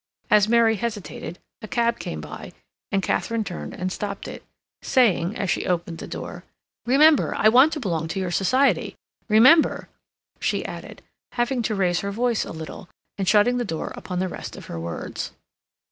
As Mary hesitated, a cab came by and Katharine turned and stopped it, saying as she opened the door: "Remember, I want to belong to your society—remember," she added, having to raise her voice a little, and shutting the door upon the rest of her words.